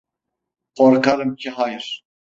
Korkarım ki hayır.